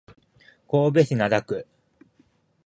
神戸市灘区